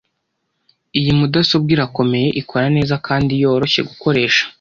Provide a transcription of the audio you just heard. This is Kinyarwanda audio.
Iyi mudasobwa irakomeye, ikora neza, kandi yoroshye gukoresha.